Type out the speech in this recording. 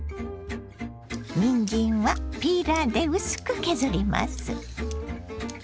にんじんはピーラーで薄く削ります。